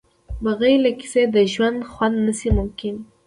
بغیر له کیسې د ژوند خوند نشي ممکن.